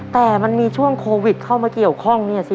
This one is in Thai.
แต่มันมีช่วงโควิดเข้ามาเกี่ยวข้องเนี่ยสิ